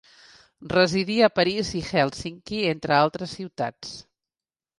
Residí a París i Hèlsinki, entre altres ciutats.